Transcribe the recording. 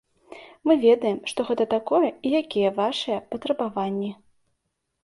Мы ведаем, што гэта такое і якія вашыя патрабаванні.